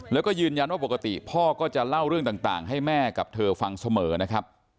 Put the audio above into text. แล้วก็ยืนยันว่าปกติพ่อก็จะเล่าเรื่องต่างให้แม่กับเธอฟังเสมอนะครับ